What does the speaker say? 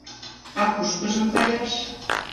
А кушкыжын каяш?